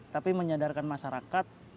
tapi menyadarkan masyarakat